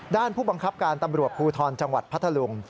ผู้บังคับการตำรวจภูทรจังหวัดพัทธลุง